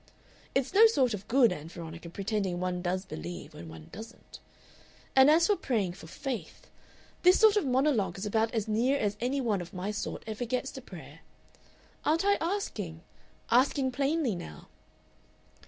'... "It's no sort of good, Ann Veronica, pretending one does believe when one doesn't.... "And as for praying for faith this sort of monologue is about as near as any one of my sort ever gets to prayer. Aren't I asking asking plainly now?...